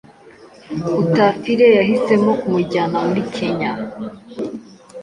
Otafiire yahisemo kumujyana muri Kenya.